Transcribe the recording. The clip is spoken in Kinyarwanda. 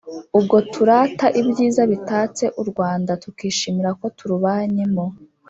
ubwo turata ibyiza bitatse u rwanda, tukishimira ko turubanyemo